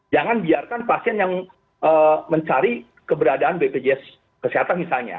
jangan biarkan pasien yang mencari keberadaan bpjs kesehatan misalnya